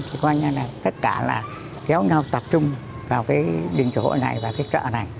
thì quanh ra là tất cả là kéo nhau tập trung vào cái đỉnh chủ hội này và cái chợ này